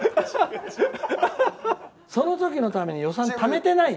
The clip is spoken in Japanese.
その時のために予算ためてない？